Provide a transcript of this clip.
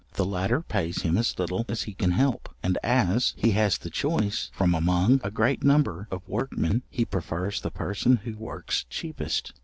The latter pays him as little as he can help, and as he has the choice from among a great number of workmen, he prefers the person who works cheapest.